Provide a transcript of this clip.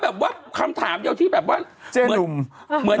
เป็นการกระตุ้นการไหลเวียนของเลือด